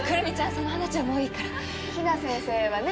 その話はもういいから比奈先生はね